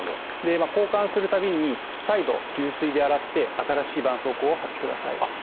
交換するたびに再度流水で洗って新しいばんそうこうを貼ってください。